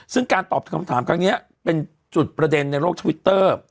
ซึ่งการตอบคำถามครั้งนี้เป็นจุดประเด็นในโลกทวิตเตอร์